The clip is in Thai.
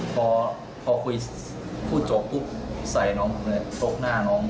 พอพย่มพูดโจ๊กพูดใส่น้องนับเนื้อตกหน้าน้อง